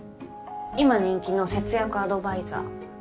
今人気の節約アドバイザー。